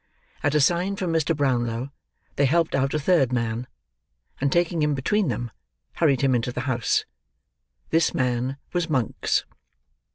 At a sign from Mr. Brownlow, they helped out a third man, and taking him between them, hurried him into the house. This man was Monks.